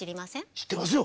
知ってますよ！